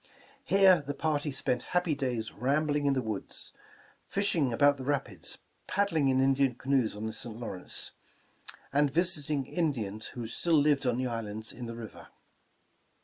Here the party spent happy days rambling in the woods, fishing about the rapids, paddling in In dian canoes on the St. Lawrence, and visiting Indians who still lived on islands in the river.